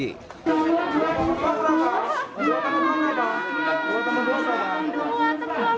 evinke anastasia salah satunya